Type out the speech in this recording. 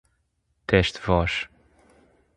teste voz